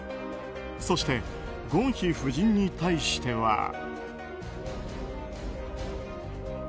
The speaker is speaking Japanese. そして、ゴンヒ夫人に対しては。